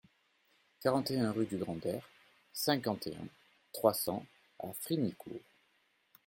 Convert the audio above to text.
quarante et un rue du Grand Der, cinquante et un, trois cents à Frignicourt